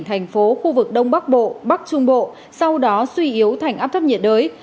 bộ di chuyển thành phố khu vực đông bắc bộ bắc trung bộ sau đó suy yếu thành áp thấp nhiệt đới